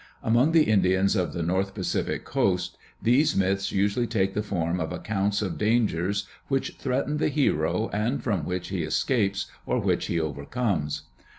Among the Indians of the North Pacific coast these myths usually take the form of accounts of dangers which threaten the hero and from which he escapes or which he overcomes.